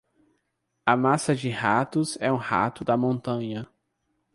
A massa de ratos é um rato da montanha.